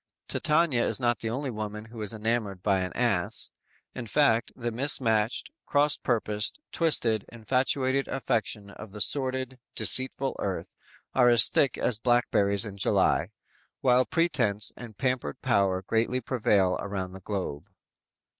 "_ Titania is not the only woman who is enamored by an Ass; in fact the mismatched, cross purposed, twisted, infatuated affections of the sordid, deceitful earth are as thick as blackberries in July, while pretense and pampered power greatly prevail around the globe.